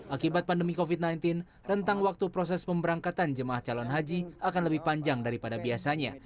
akibat pandemi covid sembilan belas rentang waktu proses pemberangkatan jemaah calon haji akan lebih panjang daripada biasanya